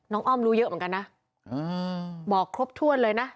อ้อมรู้เยอะเหมือนกันนะบอกครบถ้วนเลยนะ